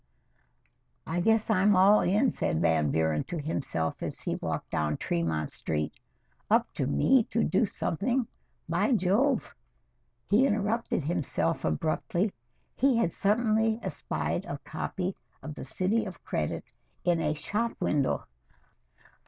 "I guess I'm all in," said Van Buren to himself as he walked down Tremont Street. "Up to me to do something by Jove!" he interrupted himself abruptly. He had suddenly espied a copy of "The City of Credit" in a shop window.